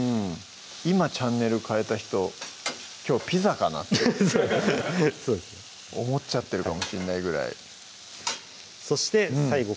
今チャンネル変えた人「きょうピザかな？」ってそうですね思っちゃってるかもしんないぐらいそして最後